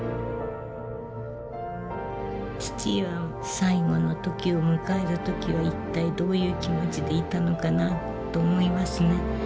父は最期の時を迎える時を一体どういう気持ちでいたのかなと思いますね。